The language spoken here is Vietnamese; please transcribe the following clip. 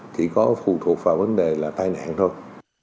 chỉ có phụ thuộc vào vấn đề là tai nạn thôi